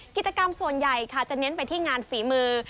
กิจกรรมส่วนใหญ่ค่ะจะเน้นไปที่งานฝีมือ